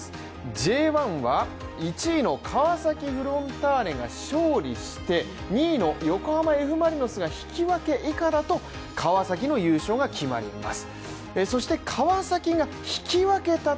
Ｊ１は、１位の川崎フロンターレが勝利しても２位の横浜Ｆマリノスが引き分け以下だと、川崎の優勝が決まります。